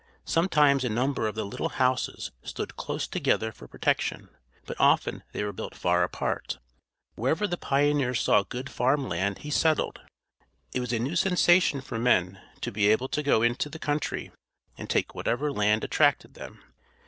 Sometimes a number of the little houses stood close together for protection, but often they were built far apart. Wherever the pioneer saw good farm land he settled. It was a new sensation for men to be able to go into the country and take whatever land attracted them.